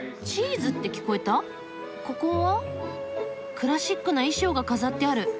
クラシックな衣装が飾ってある。